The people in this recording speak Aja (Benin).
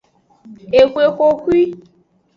Exwe xoxwi.